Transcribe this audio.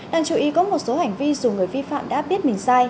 đang chú ý có một số hành vi dù người vi phạm đã biết mình sai